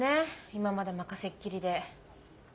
今まで任せっきりで。